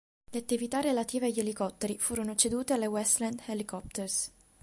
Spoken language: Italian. Le attività relative agli elicotteri furono cedute alla Westland Helicopters.